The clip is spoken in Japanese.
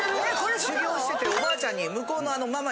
修業してておばあちゃんに。